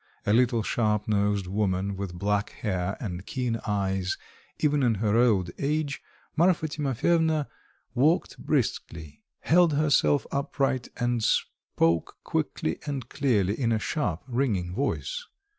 A little sharp nosed woman with black hair and keen eyes even in her old age, Marfa Timofyevna walked briskly, held herself upright and spoke quickly and clearly in a sharp ringing voice.